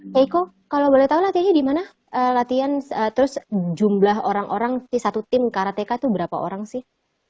keiko kalau boleh tahu latihannya di mana latihan terus jumlah orang orang di satu tim karateka itu berapa orang sih